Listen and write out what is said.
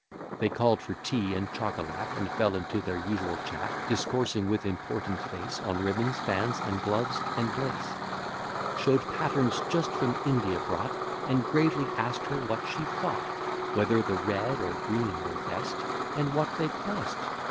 They call'd for tea and chocolate, And fell into their usual chat, Discoursing with important face, On ribbons, fans, and gloves, and lace; Show'd patterns just from India brought, And gravely ask'd her what she thought, Whether the red or green were best, And what they cost?